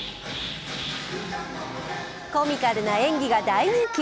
コミカルな演技が大人気。